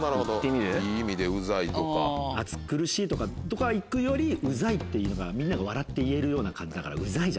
「暑苦しい」とか行くより「ウザい」っていうほうがみんなが笑って言えるような感じだから「ウザい」じゃない？